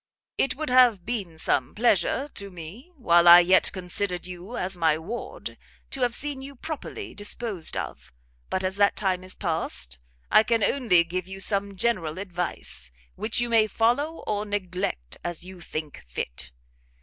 It would have been some pleasure to me, while I yet considered you as my Ward, to have seen you properly disposed of: but as that time is past, I can only give you some general advice, which you may follow or neglect as you think fit.